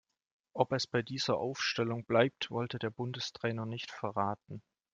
Ob es bei dieser Aufstellung bleibt, wollte der Bundestrainer nicht verraten.